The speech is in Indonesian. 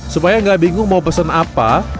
supaya nggak bingung mau pesen apa